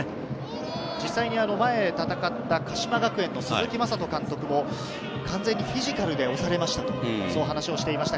実際に前、戦った鹿島学園の鈴木真人監督も、完全にフィジカルで押されましたと話をしていました。